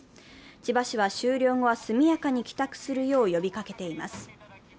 千葉市は終了後は速やかに帰宅するよう呼びかけています。